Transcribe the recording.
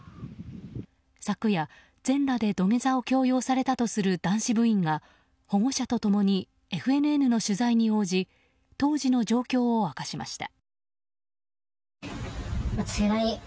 昨夜、全裸で土下座を強要されたとする男子部員が保護者と共にＦＮＮの取材に応じ当時の状況を明かしました。